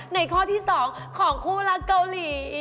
ข้อที่๒ของคู่รักเกาหลี